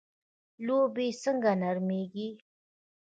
لوبیې څنګه نرمیږي؟